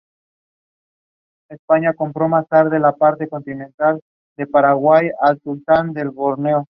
La Flota de Reserva tiene una lista activa e inactiva.